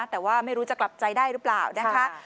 แต่ว่าไม่รู้จะกลับใจได้หรือเปล่านะคะ